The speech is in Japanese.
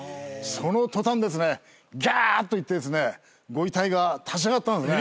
その途端ですね「ギャー！」と言ってですねご遺体が立ち上がったんですね。